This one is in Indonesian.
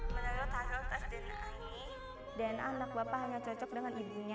menurut hasil tes dna ini dan anak bapak hanya cocok dengan ibunya